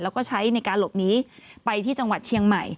แล้วก็ใช้ในการหลบหนีไปที่จังหวัดเชียงใหม่